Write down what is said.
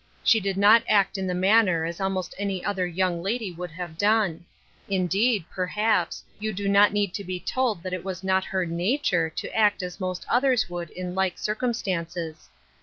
She did not act in the matter as almost any other young lady would have done. Indeed, perhaps, you do not need to be told that it was not her nature to act as most others would in like circumstances.